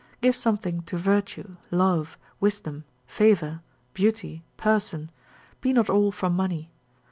Give something to virtue, love, wisdom, favour, beauty, person; be not all for money.